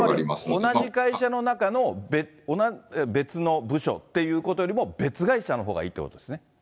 つまり同じ会社の中の別の部署っていうことよりも、別会社のほうがいいってことですね。